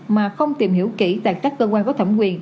mà không tìm hiểu kỹ tại các cơ quan có thẩm quyền